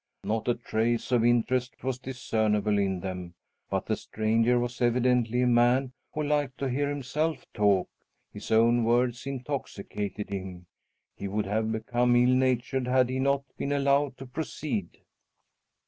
Not a trace of interest was discernible in them. But the stranger was evidently a man who liked to hear himself talk. His own words intoxicated him; he would have become ill natured had he not been allowed to proceed.